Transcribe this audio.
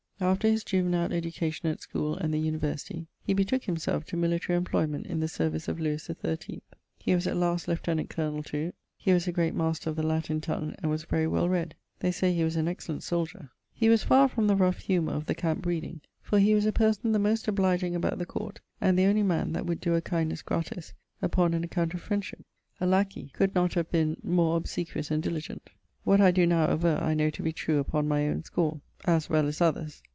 After his juvenile education at schoole and the University he betooke himselfe to military employment in the service of Lewis the 13th. He was at last Lieuetenant Colonel to.... He was a great master of the Latin tongue and was very well read. They say he was an excellent soldier. He was far from the rough humour of the camp breeding, for he was a person the most obliging about the court and the only man that would doe a kindnesse gratis upon an account of friendship. A lacquey could not have been more obsequious and diligent. What I doe now averre I know to be true upon my owne score as well as others.